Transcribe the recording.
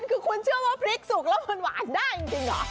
คือคุณเชื่อว่าพริกสุกแล้วมันหวานได้จริงเหรอ